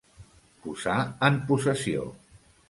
Posar en possessió.